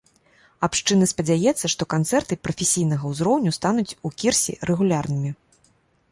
Абшчына спадзяецца, што канцэрты прафесійнага ўзроўню стануць у кірсе рэгулярнымі.